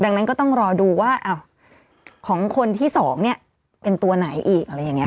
ดังนั้นก็ต้องรอดูว่าของคนที่๒เนี่ยเป็นตัวไหนอีกอะไรอย่างนี้